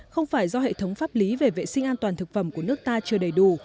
không phải do hệ thống pháp lý về vệ sinh an toàn thực phẩm của nước ta chưa đầy đủ